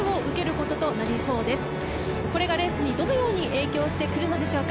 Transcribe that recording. これがレースにどのような影響をしてくるのでしょうか。